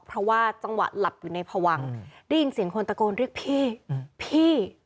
เพราะว่าจังหวะหลับอยู่ในพวังได้ยินเสียงคนตะโกนเรียกพี่พี่